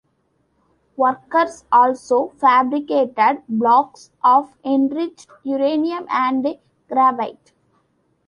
Workers also fabricated blocks of enriched uranium and graphite.